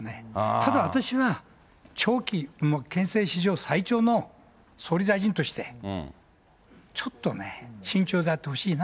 ただ、私は、長期憲政史上最長の総理大臣としてちょっとね、慎重であってほし